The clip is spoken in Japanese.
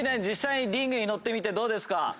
実際にリングに乗ってみてどうですか？